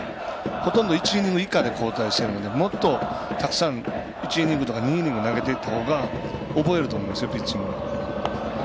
ほとんど１イニング以下で交代しているのでもっと、たくさん１イニングとか２イニング投げていった方が覚えると思いますよ、ピッチングは。